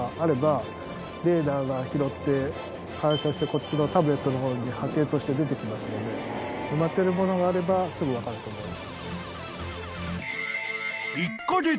反射してこっちのタブレットの方に波形として出てきますので埋まってるものがあればすぐ分かると思います。